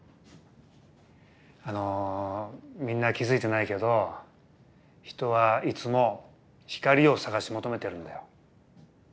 あのみんな気付いてないけど人はいつも光を探し求めてるんだよ。